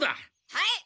はい！